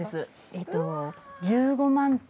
えっと１５万点。